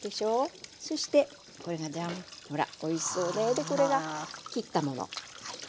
でこれが切ったもの。